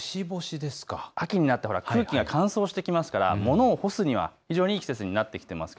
秋になって空気が乾燥してきますから物を干すには非常にいい季節になってきています。